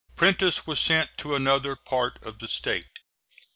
Prentiss was sent to another part of the State.